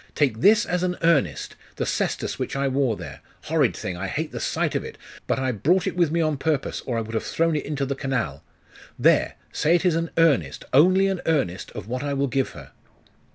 Take this as an earnest the cestus which I wore there. Horrid thing! I hate the sight of it! But I brought it with me on purpose, or I would have thrown it into the canal. There; say it is an earnest only an earnest of what I will give her!